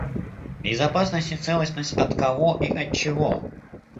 Безопасность и целостность от кого и от чего?